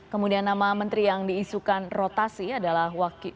kemudian nama menteri yang diisukan rotasi adalah